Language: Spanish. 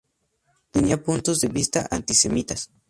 Tenía puntos de vista antisemitas.